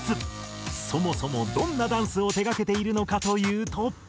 そもそもどんなダンスを手がけているのかというと。